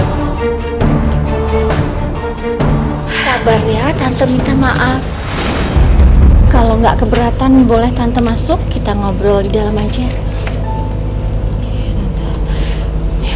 kabar ya tante minta maaf kalau enggak keberatan boleh tante masuk kita ngobrol di dalam aja ya